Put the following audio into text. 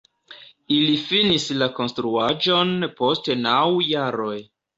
Ili finis la konstruaĵon post naŭ jaroj.